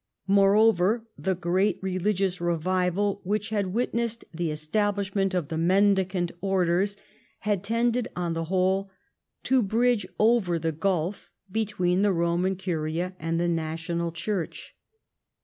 Moreover, the great religious revival, which had witnessed the establishment of the Mendicant Orders, had tended on the whole to bridge over the gulf between the Roman Curia and the National Church.